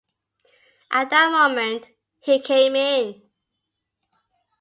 At that moment he came in.